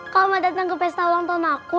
kalau mau datang ke pesta ulang tahun aku